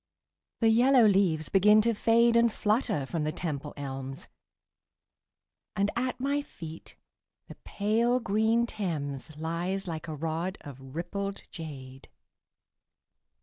The yellow leaves begin to fade And flutter from the Temple elms, And at my feet the pale green Thames Lies like a rod of rippled jade.